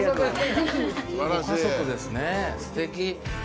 すてき。